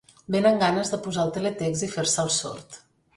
Vénen ganes de posar el teletext i fer-se el sord.